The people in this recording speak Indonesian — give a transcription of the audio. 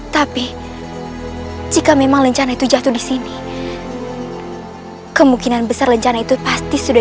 tapi jika memang rencana itu jatuh di sini kemungkinan besar rencana itu pasti sudah